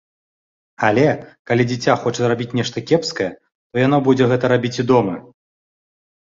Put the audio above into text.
Але, калі дзіця хоча рабіць нешта кепскае, то яно будзе гэта рабіць і дома.